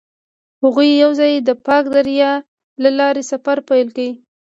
هغوی یوځای د پاک دریا له لارې سفر پیل کړ.